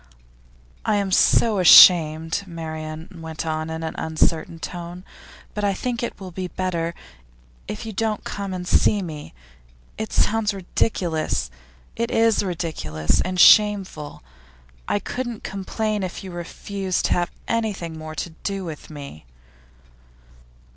'I am so ashamed,' Marian went on in an uncertain tone, 'but I think it will be better if I don't ask you to come and see me. It sounds ridiculous; it is ridiculous and shameful. I couldn't complain if you refused to have anything more to do with me.